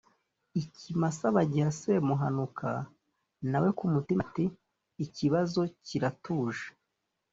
Ikimasa bagiha Semuhanuka, na we ku mutima ati:” Ikibazo kiratuje.”